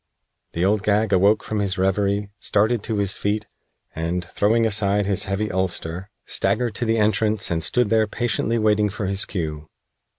The Old Gag awoke from his reverie, started to his feet, and, throwing aside his heavy ulster, staggered to the entrance and stood there patiently waiting for his cue.